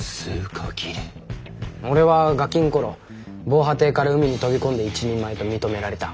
俺はガキの頃防波堤から海に飛び込んで一人前と認められた。